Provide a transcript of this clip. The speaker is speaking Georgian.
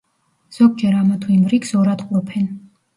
ზოგჯერ ამა თუ იმ რიგს ორად ყოფენ.